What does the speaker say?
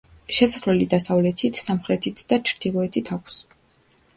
შესასვლელი დასავლეთით, სამხრეთით და ჩრდილოეთით აქვს.